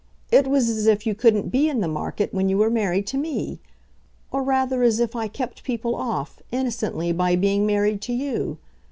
It was as if you couldn't be in the market when you were married to me. Or rather as if I kept people off, innocently, by being married to you.